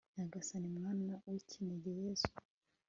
nyagasani mwana w'ikinege yezu